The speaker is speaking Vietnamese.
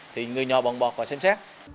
thì người nhòa bọn bọt và xem xét